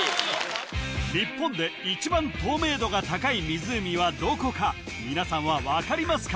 日本で一番透明度が高い湖はどこか皆さんは分かりますか？